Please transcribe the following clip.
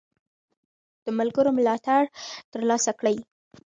د ملګرو ملاتړ ترلاسه کړئ.